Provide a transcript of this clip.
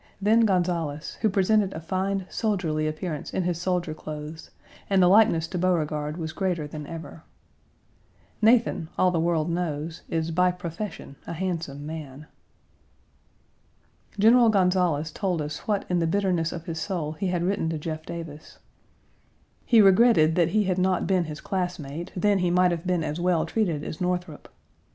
Then Gonzales, who presented a fine, soldierly appearance in his soldier clothes, and the likeness to Beauregard was greater than ever. Nathan, all the world knows, is by profession a handsome man. General Gonzales told us what in the bitterness of his soul he had written to Jeff Davis. He regretted that he had not been his classmate; then he might have been as well treated as Northrop.